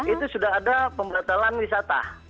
itu sudah ada pembatalan wisata